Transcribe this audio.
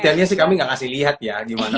detailnya sih kami nggak kasih lihat ya gimana